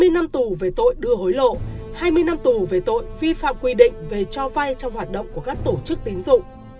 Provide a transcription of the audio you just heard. hai mươi năm tù về tội đưa hối lộ hai mươi năm tù về tội vi phạm quy định về cho vay trong hoạt động của các tổ chức tín dụng